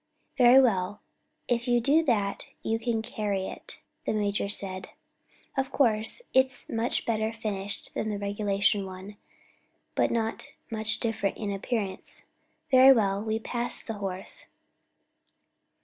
"Very well; if you do that you can carry it," the major said. "Of course it's much better finished than the regulation one, but not much different in appearance. Very well, we pass the horse."